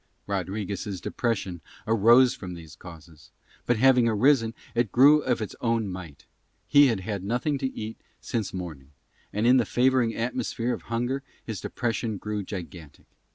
Rodriguez' depression arose from these causes, but having arisen, it grew of its own might: he had had nothing to eat since morning, and in the favouring atmosphere of hunger his depression grew gigantic.